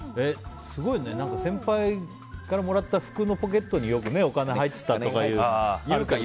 すごいね、先輩からもらった服のポケットによくお金入ってたとかはあるけど。